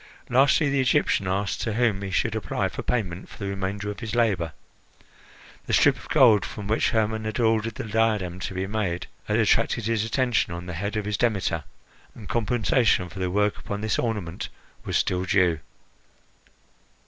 Lastly, the Egyptian asked to whom he should apply for payment for the remainder of his labour. The strip of gold, from which Hermon had ordered the diadem to be made, had attracted his attention on the head of his Demeter, and compensation for the work upon this ornament was still due.